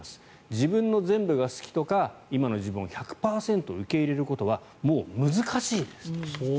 自分の全部が好きとか今の自分を１００％受け入れることはもう難しいですと。